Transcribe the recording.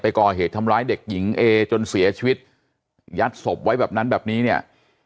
ก่อเหตุทำร้ายเด็กหญิงเอจนเสียชีวิตยัดศพไว้แบบนั้นแบบนี้เนี่ย